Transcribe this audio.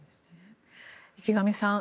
池上さん